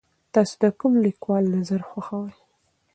تاسو د کوم لیکوال نظر خوښوئ؟